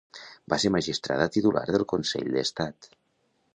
Va ser magistrada titular del Consell d'Estat.